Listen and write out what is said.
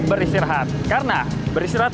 beristirahat karena beristirahat